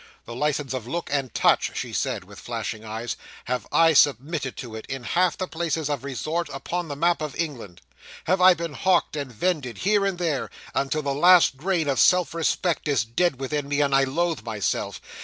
The licence of look and touch," she said, with flashing eyes, "have I submitted to it, in half the places of resort upon the map of England? Have I been hawked and vended here and there, until the last grain of self respect is dead within me, and I loathe myself?